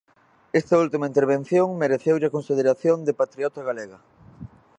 Esta última intervención mereceulle a consideración de patriota galega!